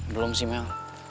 belum sih mel